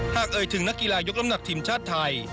เอ่ยถึงนักกีฬายกน้ำหนักทีมชาติไทย